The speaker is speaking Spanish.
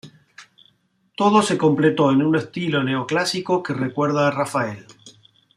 Todo se completó en un estilo neoclásico que recuerda a Rafael.